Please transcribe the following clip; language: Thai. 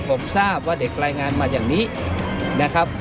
ผมทราบว่าเด็กรายงานมาอย่างนี้นะครับ